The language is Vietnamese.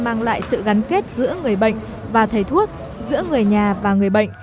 mang lại sự gắn kết giữa người bệnh và thầy thuốc giữa người nhà và người bệnh